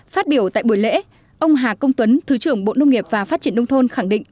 phát biểu tại buổi lễ ông hà công tuấn thứ trưởng bộ nông nghiệp và phát triển nông thôn khẳng định